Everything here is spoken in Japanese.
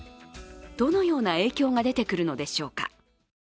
どのような影響が出てくるのでしょうか。